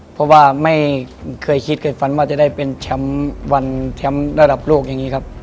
เพราะว่าไม่เคยคิดเคยฝันว่าจะได้เป็นแชมป์วันแชมป์ระดับโลกอย่างนี้ครับ